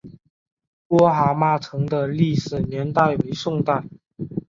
郭蛤蟆城的历史年代为宋代。